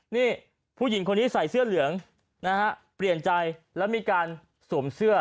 นี่ผู้หญิงคนนี้ใส่เสื้อเหลืองนะฮะเปลี่ยนใจแล้วมีการสวมเสื้อ